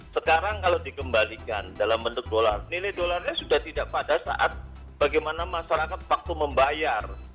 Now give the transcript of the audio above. sekarang kalau dikembalikan dalam bentuk dolar nilai dolarnya sudah tidak pada saat bagaimana masyarakat waktu membayar